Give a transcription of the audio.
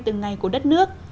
từng ngày của đất nước